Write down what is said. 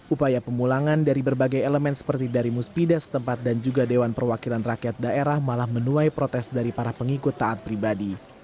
upaya pemulangan dari berbagai elemen seperti dari muspida setempat dan juga dewan perwakilan rakyat daerah malah menuai protes dari para pengikut taat pribadi